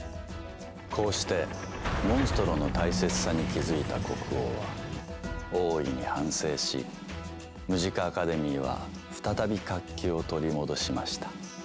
こうしてモンストロの大切さに気付いた国王は大いに反省しムジカ・アカデミーは再び活気を取り戻しました。